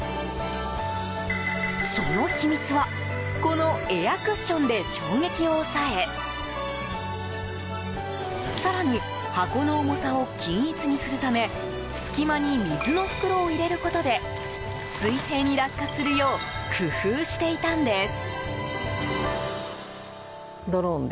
その秘密はこのエアクッションで衝撃を抑え更に、箱の重さを均一にするため隙間に水の袋を入れることで水平に落下するよう工夫していたんです。